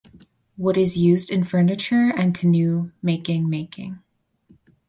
Wood is used in furniture and canoe making making.